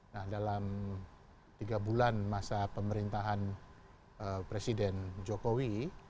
nah dalam tiga bulan masa pemerintahan presiden jokowi